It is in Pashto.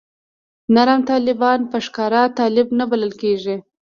نرم طالبان په ښکاره طالب نه بلل کېږي.